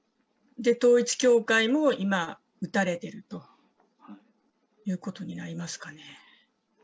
統一教会も、今、撃たれているということになりますかね。